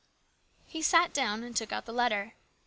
He sat down and took out the letter.